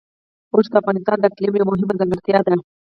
اوښ د افغانستان د اقلیم یوه مهمه ځانګړتیا ده.